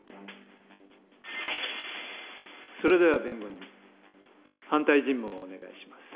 それでは弁護人反対尋問をお願いします。